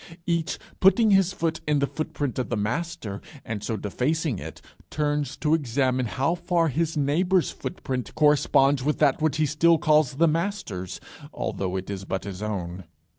Each, putting his foot in the footprint of the Master, and so defacing it, turns to examine how far his neighbour's footprint corresponds with that which he still calls the Master's, although it is but his own.